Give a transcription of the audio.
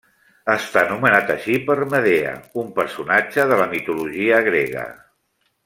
Està nomenat així per Medea, un personatge de la mitologia grega.